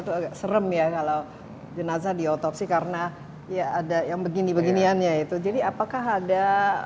itu agak serem ya kalau jenazah diotopsi karena ya ada yang begini beginiannya itu jadi apakah ada